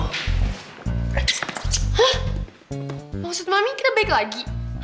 maksud mami kita baik lagi